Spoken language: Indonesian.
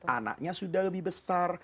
anaknya sudah lebih besar